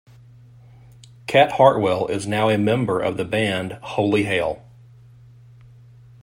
Cat Hartwell is now a member of the band Holy Hail.